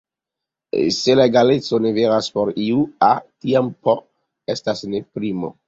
Se la egaleco ne veras por iu "a", tiam "p" estas ne primo.